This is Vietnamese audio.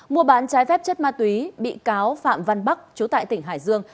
mua bán trái phép chất ma túy bị cáo phạm văn bắc chú tại tỉnh hải dương